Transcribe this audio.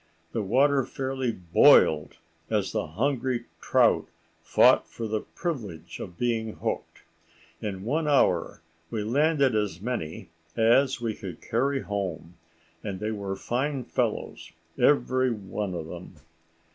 The water fairly boiled as the hungry trout fought for the privilege of being hooked. In one hour we landed as many as we could carry home, and they were fine fellows every one of them.